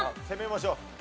攻めましょう。